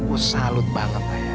gue salut banget ayah